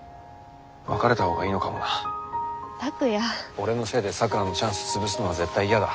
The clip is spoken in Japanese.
俺のせいで咲良のチャンス潰すのは絶対嫌だ。